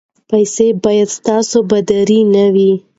پیسې باید ستاسو بادار نه وي.